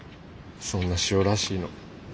そんなしおらしいの。